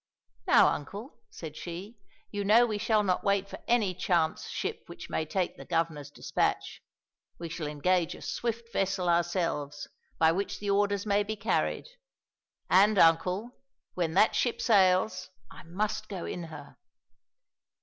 "Now, uncle," said she, "you know we shall not wait for any chance ship which may take the Governor's despatch. We shall engage a swift vessel ourselves, by which the orders may be carried. And, uncle, when that ship sails I must go in her."